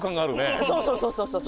そうそうそうそう。